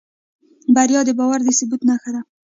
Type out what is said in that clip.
بریا د باور د ثبوت نښه ده.